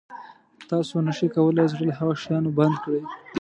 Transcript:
تاسو نه شئ کولای زړه له هغه شیانو بند کړئ.